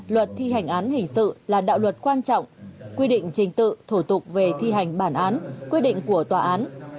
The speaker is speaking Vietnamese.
luật thi hành án hình sự là đạo luật quan trọng quy định trình tự thủ tục về thi hành bản án quyết định của tòa án